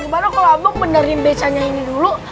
gimana kalau abang benerin becanya ini dulu